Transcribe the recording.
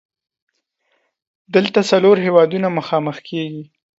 دلته څلور هیوادونه مخامخ کیږي.